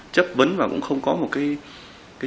chấp vấn và cũng không có một cái